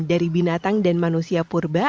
dari binatang dan manusia purba